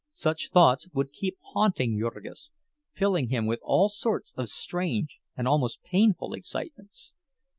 Such thoughts would keep haunting Jurgis, filling him with all sorts of strange and almost painful excitements.